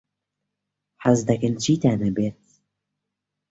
حەز دەکەن چیتان هەبێت؟